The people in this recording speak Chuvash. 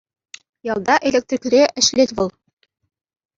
Ялта электрикре ӗҫлет вӑл.